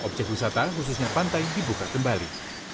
objek wisata khususnya pantai dibuka kembali